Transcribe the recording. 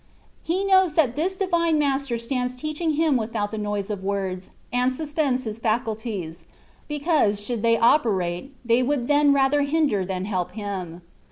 He knows that this Divine Master stands teach ing him without the noise of words, and suspends his faculties, because, should they operate, they would then rather hinder than help him.